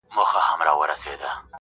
نه په وطن کي آشیانه سته زه به چیري ځمه.!